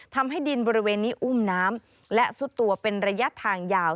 ทำให้ดินบริเวณนี้อุ้มน้ำและซุดตัวเป็นระยะทางยาว